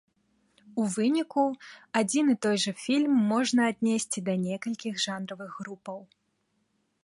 У выніку адзін і той жа фільм можна аднесці да некалькіх жанравых групаў.